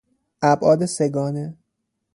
ابعاد سه گانه